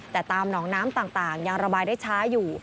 แต่ตามหนองน้ำต่างยังระบายได้ช้าอยู่